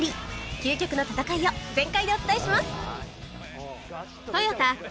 究極の戦いを全開でお伝えします